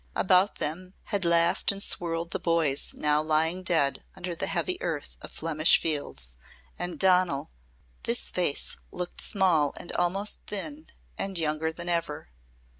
About them had laughed and swirled the boys now lying dead under the heavy earth of Flemish fields. And Donal ! This face looked small and almost thin and younger than ever.